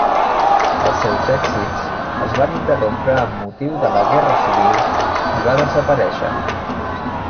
Els seus èxits es van interrompre amb motiu de la Guerra Civil i va desaparèixer.